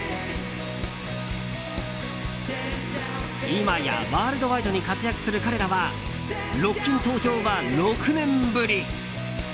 今やワールドワイドに活躍する彼らはロッキン登場は６年ぶり。